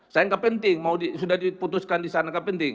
saya enggak penting mau sudah diputuskan disana enggak penting